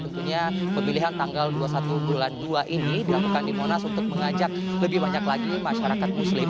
tentunya pemilihan tanggal dua puluh satu bulan dua ini dilakukan di monas untuk mengajak lebih banyak lagi masyarakat muslim